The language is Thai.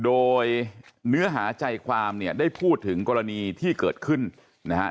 โดยเนื้อหาใจความเนี่ยได้พูดถึงกรณีที่เกิดขึ้นนะฮะ